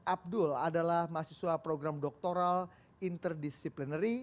abdul adalah mahasiswa program doktoral interdisciplinary